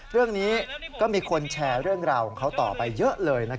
เรื่องนี้ก็มีคนแชร์เรื่องราวของเขาต่อไปเยอะเลย